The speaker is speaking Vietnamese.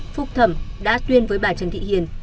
phúc thẩm đã tuyên với bà trần thị hiền